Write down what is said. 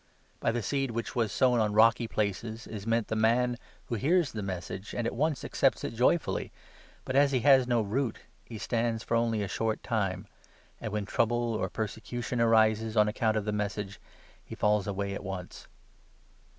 By the seed which was 20 sown on rocky places is meant the man who hears the Message, and at once accepts it joyfully ; but, as he has no root, he 21 stands for only a short time ; and, when trouble or persecu tion arises on account of the Message, he falls away at once.